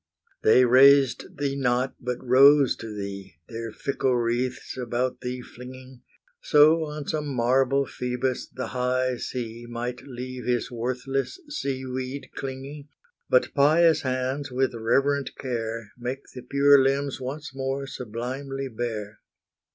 They raised thee not, but rose to thee, Their fickle wreaths about thee flinging; So on some marble Phœbus the high sea Might leave his worthless sea weed clinging, But pious hands, with reverent care, Make the pure limbs once more sublimely bare.